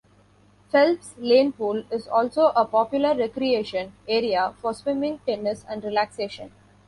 Phelps Lane pool is also a popular recreation area for swimming, tennis and relaxation.